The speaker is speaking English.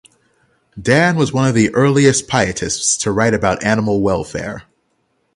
Dann was one of the earliest Pietists to write about animal welfare.